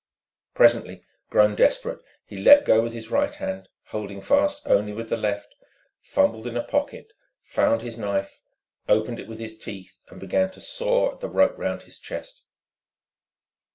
Presently, grown desperate, he let go with his right hand, holding fast only with the left, fumbled in a pocket, found his knife, opened it with his teeth, and began, to saw at the rope round his chest.